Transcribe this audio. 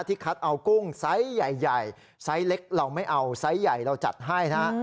คัดเอากุ้งไซส์ใหญ่ไซส์เล็กเราไม่เอาไซส์ใหญ่เราจัดให้นะฮะ